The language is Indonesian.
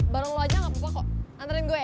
bareng lo aja gak apa apa kok antarin gue ya